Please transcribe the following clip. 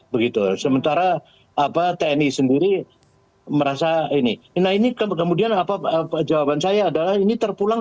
begitu sementara apa tni sendiri merasa ini nah ini kemudian apa jawaban saya adalah ini terpulang